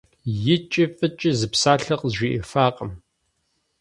ЕкӀи фӀыкӀи зы псалъэ къызжиӀэфакъым.